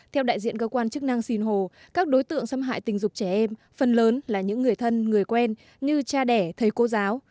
theo đại diện cơ quan chức năng sinh hồ các đối tượng xâm hại tình dục trẻ em phần lớn là những người thân người quen như cha đẻ thầy cô giáo